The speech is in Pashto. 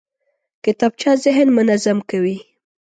کتابچه ذهن منظم کوي